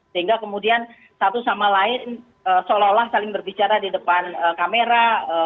sehingga kemudian satu sama lain seolah olah saling berbicara di depan kamera